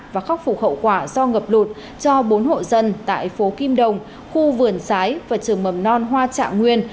và khắc phục hậu quả do ngập lụt cho bốn hộ dân tại phố kim đồng khu vườn sái và trường mầm non hoa trạng nguyên